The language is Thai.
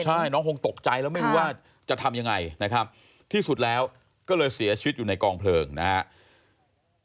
ใช่น้องคงตกใจแล้วไม่รู้ว่าจะทำยังไงนะครับที่สุดแล้วก็เลยเสียชีวิตอยู่ในกองเพลิงนะครับ